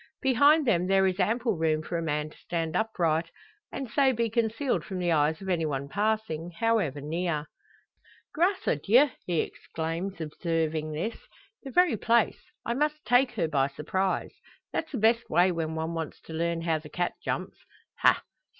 Behind them there is ample room for a man to stand upright, and so be concealed from the eyes of anyone passing, however near. "Grace a Dieu!" he exclaims, observing this; "the very place. I must take her by surprise. That's the best way when one wants to learn how the cat jumps. Ha!